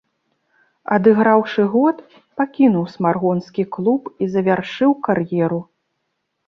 Адыграўшы год, пакінуў смаргонскі клуб і завяршыў кар'еру.